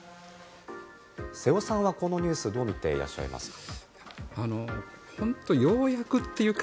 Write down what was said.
瀬尾さんはこのニュースどう見ていらっしゃいますか？